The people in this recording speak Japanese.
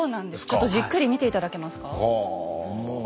ちょっとじっくり見て頂けますか？